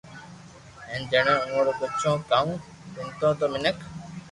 ھين جڻي اورو ٻجو ڪنو پينتو تو مينک